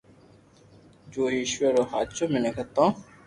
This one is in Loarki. جو اآݾور رو ھاچو مينک ھتو